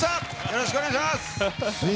よろしくお願いします。